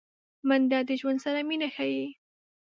منډه د ژوند سره مینه ښيي